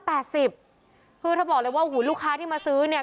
เพราะถ้าบอกเลยว่าลูกค้าที่มาซื้อเนี่ย